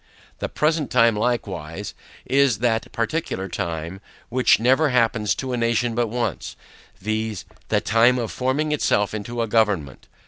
The present time, likewise, is that peculiar time, which never happens to a nation but once, VIZ. the time of forming itself into a government.